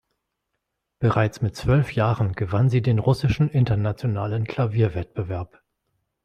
Bereits mit zwölf Jahren gewann sie den Russischen Internationalen Klavierwettbewerb.